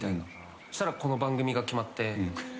そしたらこの番組が決まって。